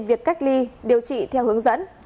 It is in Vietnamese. việc cách ly điều trị theo hướng dẫn